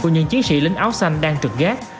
của những chiến sĩ lính áo xanh đang trực gác